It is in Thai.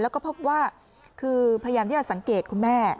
แล้วก็พบว่าคือพยายามที่จะสังเกตคุณแม่